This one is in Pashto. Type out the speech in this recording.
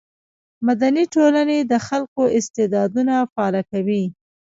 مدني ټولنې د خلکو استعدادونه فعاله کوي.